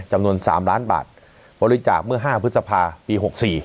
จำนวน๓ล้านบาทบริจาคเมื่อ๕พฤษภาปี๖๔